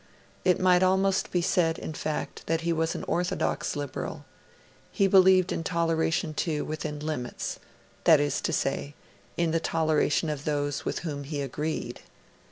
It might almost be said, in fact, that he was an orthodox Liberal. He believed in toleration too, within limits; that is to say, in the toleration of those with whom he agreed.